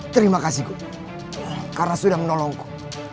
terima kasih guru karena sudah menolongku